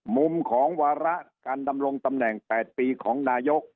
มุมของวาระการดำรงตำแหน่ง๘ปีของนายก